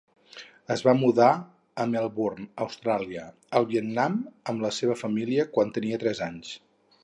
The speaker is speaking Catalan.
Es va mudar a Melbourne, Austràlia, al Vietnam amb la seva família quan tenia tres anys.